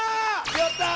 やったー！